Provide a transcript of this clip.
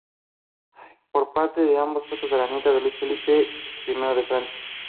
Por parte de ambos fue tataranieta de Luis Felipe I de Francia.